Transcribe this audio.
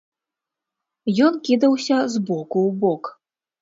Ён кідаўся з боку ў бок.